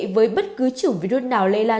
với bất cứ chủng virus nào lây lan